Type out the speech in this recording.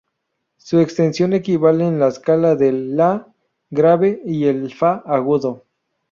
Su extensión equivale en la escala del "la" grave y el "fa" agudo.